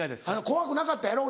怖くなかったやろ？